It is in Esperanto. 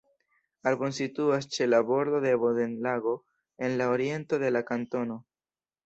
Arbon situas ĉe la bordo de Bodenlago en la oriento de la kantono.